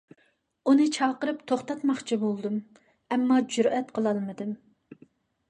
ئۇنى چاقىرىپ توختاتماقچى بولدۇم، ئەمما جۈرئەت قىلالمىدىم.